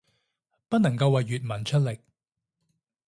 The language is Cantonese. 不能夠為粵文出力